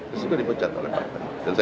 resiko dipecat oleh partai